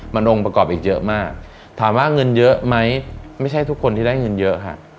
มันองค์ประกอบอีกเยอะมากถามว่าเงินเยอะไหมไม่ใช่ทุกคนที่ได้เงินเยอะค่ะ